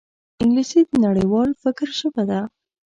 انګلیسي د نړیوال فکر ژبه ده